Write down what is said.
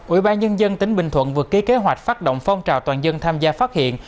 ủy ban nhân dân tỉnh bình thuận vừa ký kế hoạch phát động phong trào toàn dân tham gia phát hiện